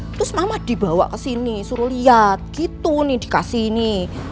terus mama dibawa kesini suruh lihat gitu nih dikasih ini